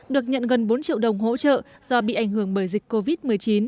được nhận gần bốn triệu đồng hỗ trợ do bị ảnh hưởng bởi dịch covid một mươi chín